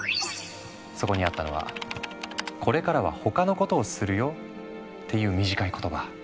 そこにあったのは「これからは他のことをするよ」っていう短い言葉。